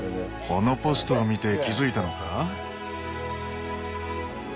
このポストを見て気付いたのか？